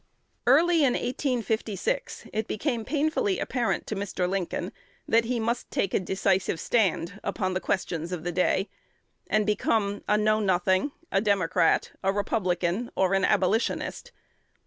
Early in 1856 it became painfully apparent to Mr. Lincoln that he must take a decisive stand upon the questions of the day, and become a Know Nothing, a Democrat, a Republican, or an Abolitionist.